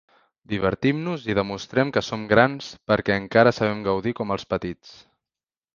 Divertim-nos i demostrem que som grans perquè encara sabem gaudir com els petits.